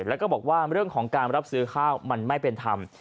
แล้วก็บอกว่าเรื่องของการรับซื้อข้าวมันไม่เป็นธรรม